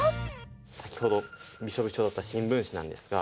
先ほどビショビショだった新聞紙なんですが。